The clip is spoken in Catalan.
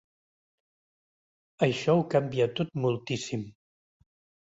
Això ho canvia tot moltíssim.